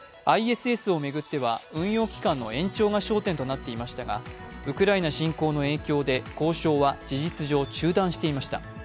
ＩＳＳを巡っては運用期間の延長が焦点となっていましたが、ウクライナ侵攻の影響で交渉は事実上、中断していました。